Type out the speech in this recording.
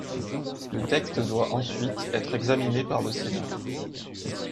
Le texte doit ensuite être examiné par le Sénat.